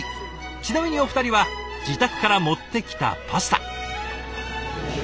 ちなみにお二人は自宅から持ってきたパスタ。